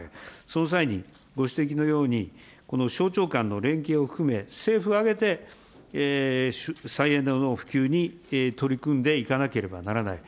その際に、ご指摘のように、この省庁間の連携を含め、政府挙げて再エネの普及に取り組んでいかなければならない。